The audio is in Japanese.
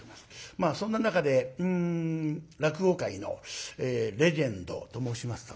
まあそんな中でうん落語界のレジェンドと申しますとね